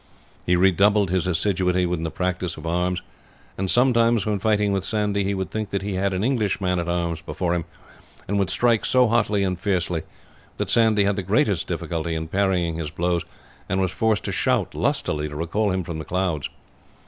He redoubled his assiduity in the practice of arms; and sometimes when fighting with Sandy, he would think that he had an English man at arms before him, and would strike so hotly and fiercely that Sandy had the greatest difficulty in parrying his blows, and was forced to shout lustily to recall him from the clouds.